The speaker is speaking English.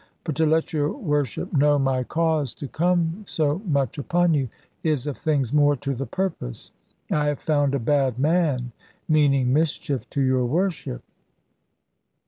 But to let your Worship know my cause to come so much upon you, is of things more to the purpose. I have found a bad man meaning mischief to your Worship."